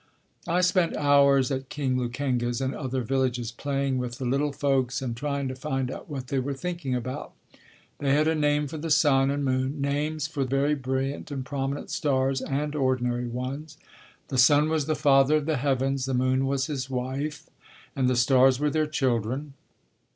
I spent hours at King Lukenga's and other villages playing with the little folks and trying to find out what they were thinking about. They had a name for the sun and moon, names for very brilliant and prominent stars and ordinary ones. The sun was the father of the heavens, the moon was his wife, and the stars were their children.